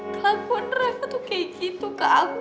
kelakuan refah tuh kayak gitu kak